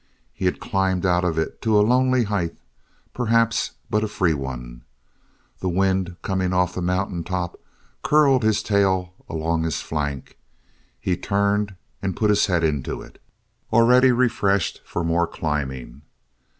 He had climbed out of it to a lonely height, perhaps, but a free one. The wind, coming off the mountain top, curled his tail along his flank. He turned and put his head into it, already refreshed for more climbing.